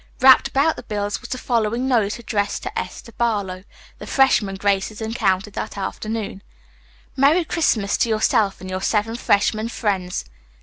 Wrapped about the bills was the following note addressed to Esther Barlow, the freshman Grace had encountered that afternoon: "Merry Christmas to yourself and your seven freshmen friends.